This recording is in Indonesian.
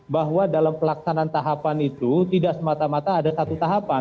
bahwa dalam pelaksanaan tahapan itu tidak semata mata ada satu tahapan